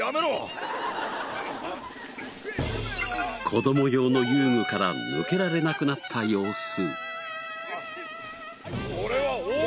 子供用の遊具から抜けられなくなった様子。